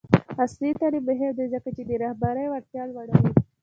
عصري تعلیم مهم دی ځکه چې د رهبرۍ وړتیا لوړوي.